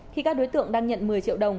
khi các đối tượng đang nhận một mươi triệu đồng